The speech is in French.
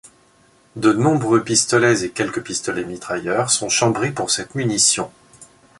De nombreux pistolets et quelques pistolets mitrailleurs sont chambrés pour cette munition.